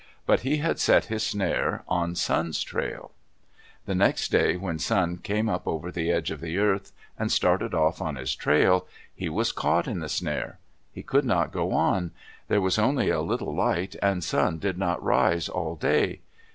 But he had set his snare on Sun's trail. The next day when Sun came up over the edge of the earth and started off on his trail, he was caught in the snare. He could not go on. There was only a little light and Sun did not rise all day.